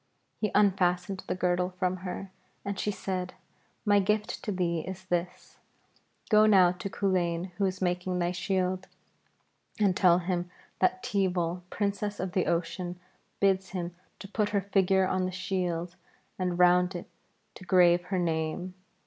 He unfastened the girdle from her and she said, 'My gift to thee is this: Go now to Culain who is making thy shield, and tell him that Teeval, Princess of the Ocean, bids him to put her figure on the shield and round it to grave her name.